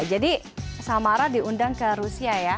jadi samara diundang ke rusia ya